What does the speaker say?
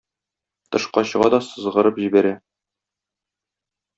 Тышка чыга да сызгырып җибәрә.